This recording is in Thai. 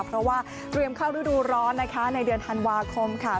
เพราะว่าเตรียมเข้าฤดูร้อนนะคะในเดือนธันวาคมค่ะ